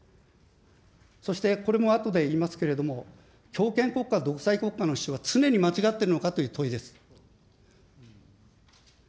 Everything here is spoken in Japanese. そしてこれもあとで言いますけれども、強権国家、独裁国家の人が常に間違っているのかという問いです。